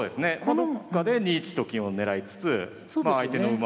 どっかで２一と金を狙いつつまあ相手の馬を。